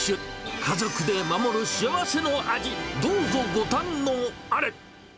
家族で守る幸せの味、どうぞご堪能あれ。